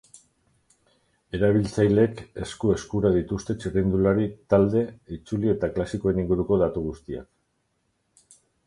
Erabiltzaileek esku-eskura dituzte txirrindulari, talde, itzuli eta klasikoen inguruko datu guztiak.